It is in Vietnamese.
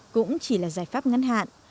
cũng chỉ là giải pháp ngắn hạn